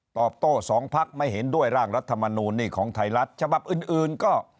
ตอบโต้สองพักไม่เห็นด้วยร่างรัฐมนูลนี่ของไทยรัฐฉบับอื่นก็